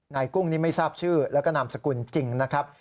กุ้งนี่ไม่ทราบชื่อแล้วก็นามสกุลจริงนะครับ